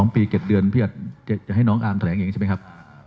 ๒ปี๗เดือนพี่อาจจะให้น้องอาร์มแถลงเองใช่ไหมครับ